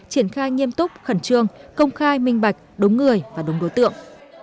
triển khai nghiêm túc khẩn trương công khai minh bạch đúng người và đúng đối tượng